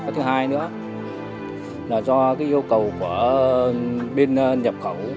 thứ hai nữa là do yêu cầu của bên nhập khẩu